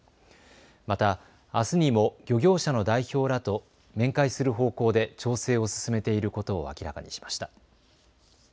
また、あすにも漁業者の代表らと面会する方向で調整を進めていることを明らかにしました。